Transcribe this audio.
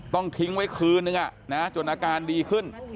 ทิ้งไว้คืนนึงจนอาการดีขึ้น